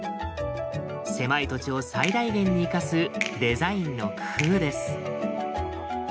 狭い土地を最大限に生かすデザインの工夫です。